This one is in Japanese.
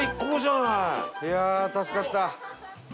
いやあ助かった。